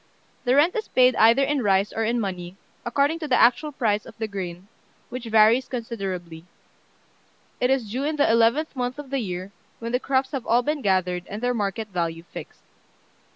The rent is paid either in rice or in money, according to the actual price of the grain, which varies considerably. It is due in the eleventh month of the year, when the crops have all been gathered, and their market value fixed.